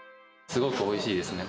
すごくおいしいですね。